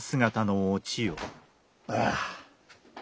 ああ。